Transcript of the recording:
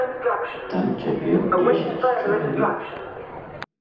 Там цяпер дзесяць чалавек.